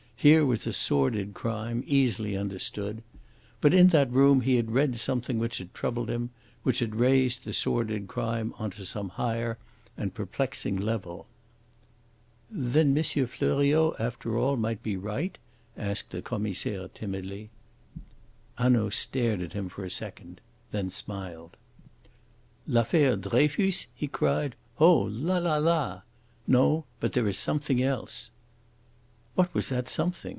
Here was a sordid crime, easily understood. But in that room he had read something which had troubled him, which had raised the sordid crime on to some higher and perplexing level. "Then M. Fleuriot after all might be right?" asked the Commissaire timidly. Hanaud stared at him for a second, then smiled. "L'affaire Dreyfus?" he cried. "Oh la, la, la! No, but there is something else." What was that something?